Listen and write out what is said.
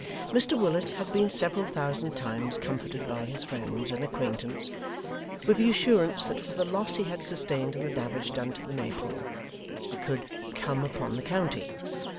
Mr Willet had been several thousand times comforted by his friends and acquaintance, with the assurance that for the loss he had sustained in the damage done to the Maypole, he could 'come upon the county.